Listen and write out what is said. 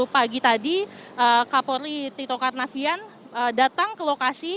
pagi tadi kapolri tito karnavian datang ke lokasi